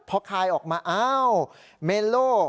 พอคายออกมาอ้าวเมโล